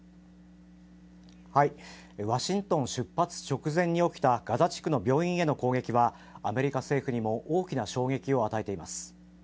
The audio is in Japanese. ワシントン出発直前に起きたガザ地区の病院への攻撃はアメリカ政府にも大きな衝撃を与えています。